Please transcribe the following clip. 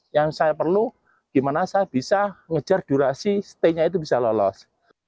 yang saya perlu gimana saya bisa ngejar durasi stay nya itu bisa lolos